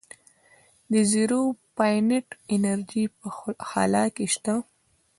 د زیرو پاینټ انرژي په خلا کې شته.